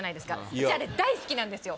私あれ大好きなんですよ